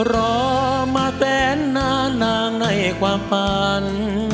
รอมาแทนหน้านางในความฟัน